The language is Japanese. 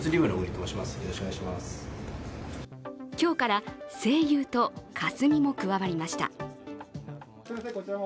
今日から西友とカスミも加わりました。